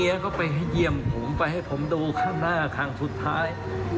เมียก็ไปเยี่ยมผมไปให้ผมดูข้างหน้าข้างสุดท้าย